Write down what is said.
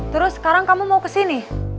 terus sekarang kamu mau ke sini